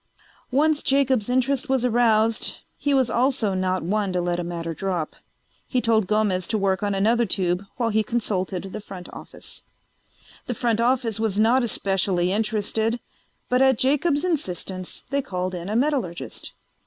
Once Jacob's interest was aroused he was also not one to let a matter drop; he told Gomez to work on another tube while he consulted the front office. The front office was not especially interested, but at Jacobs' insistence they called in a metallurgist.